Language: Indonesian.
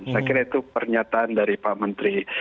saya kira itu pernyataan dari pak menteri